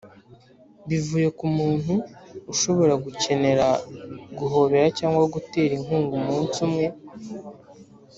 bivuye kumuntu ushobora gukenera guhobera cyangwa gutera inkunga umunsi umwe.